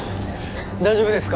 大丈夫ですか？